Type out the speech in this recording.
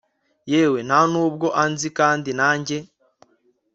yewe ntanubwo anzi kandi nanjye